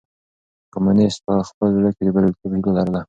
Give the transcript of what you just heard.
کمونيسټ په خپل زړه کې د برياليتوب هيله لرله.